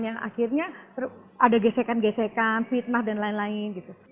yang akhirnya ada gesekan gesekan fitnah dan lain lain gitu